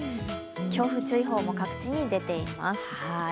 強風注意報も各地に出ています。